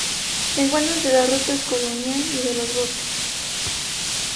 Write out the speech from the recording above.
Se encuentra entre las rutas "Colonial" y de "Los Bosques".